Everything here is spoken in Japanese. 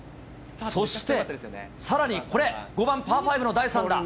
そして、さらにこれ、５番パー５の第３打。